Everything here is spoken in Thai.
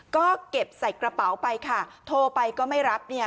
ก็เก็บใส่กระเป๋าไปค่ะโทรไปก็ไม่รับเนี่ย